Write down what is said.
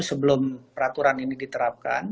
sebelum peraturan ini diterapkan